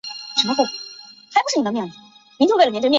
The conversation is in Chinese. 现效力于俄克拉何马城雷霆。